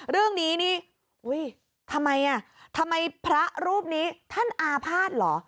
เรื่องนี้ทำไมพระรูปนี้ท่านอาภาษณ์เหรอ